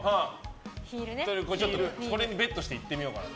それにベットしていってみようかと。